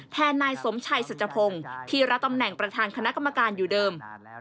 นายสมชัยสุจพงศ์ที่รับตำแหน่งประธานคณะกรรมการอยู่เดิม